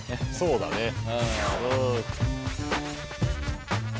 そうだね。